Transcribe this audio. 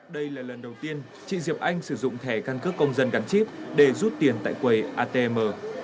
đây là lần đầu tiên chị diệp anh sử dụng thẻ căn cước công dân gắn chip để rút tiền tại quầy atm